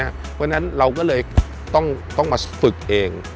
เพราะฉะนั้นเราก็เลยต้องมาฝึกเอง